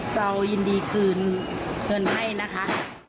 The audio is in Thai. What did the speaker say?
เรายินดีคืนเงินให้นะคะ